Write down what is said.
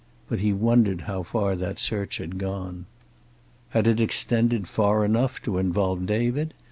But he wondered how far that search had gone. Had it extended far enough to involve David?